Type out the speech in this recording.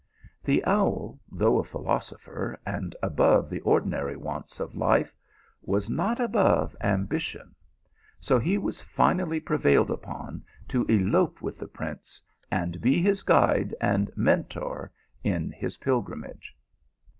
The owl, though a philosopher and above the ordinary wants of life, was not above ambition, fio he was finally prevailed upon to elope with the prince, and be his guide and Mentor in his pil grimage.